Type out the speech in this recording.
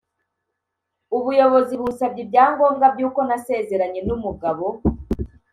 ubuyobozi bunsabye ibyangombwa by’uko nasezeranye n’umugabo